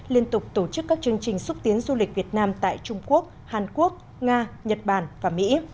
liên tục tổ chức các chương trình xúc tiến du lịch việt nam tại trung quốc hàn quốc nga nhật bản và mỹ